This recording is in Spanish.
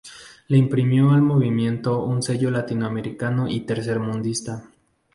Le imprimió al movimiento un sello latinoamericano y tercermundista.